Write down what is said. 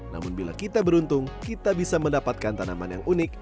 namun bila kita beruntung kita bisa mendapatkan tanaman yang unik